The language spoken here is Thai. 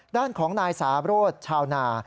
ด้านของนายสาโรธชาวนา